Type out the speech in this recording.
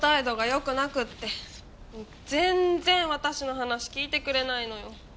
全然私の話聞いてくれないの。